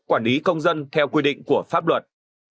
quản lý công dân theo quy định của pháp luật